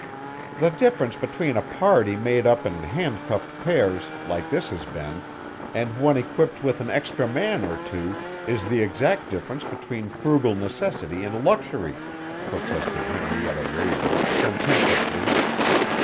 "The difference between a party made up in handcuffed pairs, like this has been, and one equipped with an extra man or two is the exact difference between frugal necessity and luxury," protested Henrietta Raven, sententiously.